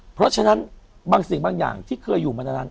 เพราะฉะนั้นบางสิ่งบางอย่างที่เคยอยู่มานาน